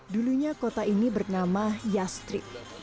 dulunya kota ini bernama yastrik